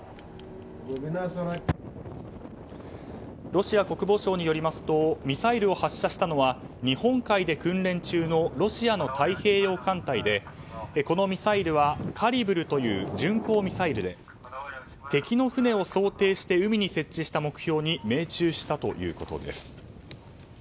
ロシア国防省によりますとミサイルを発射したのは日本海で訓練中のロシアの太平洋艦隊でこのミサイルはカリブルという巡航ミサイルで敵の船を想定して海に設置した目標に命中したということです。